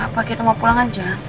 pak kita mau pulang aja